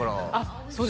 そうです